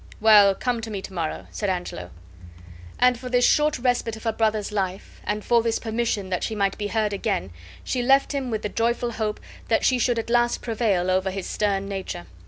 "Well, come to me to morrow," said Angelo. And for this short respite of her brother's life, and for this permission that she might be heard again, she left him with the joyful hope that she should at last prevail over his stern nature.